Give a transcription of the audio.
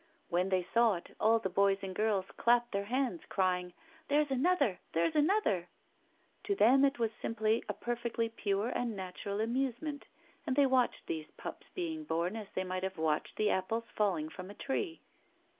"When they saw it, all the boys and girls clapped their hands, crying :" There's another ! There's another !" To them it was simply a perfectly pure and natural amuse ment, and they watched these pups being born as they might have watched the apples falling from a tree.